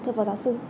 thưa phó giáo sư